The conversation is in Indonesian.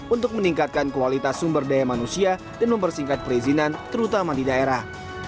untuk meningkatkan kualitas sumber daya manusia dan mempersingkat perizinan terutama di daerah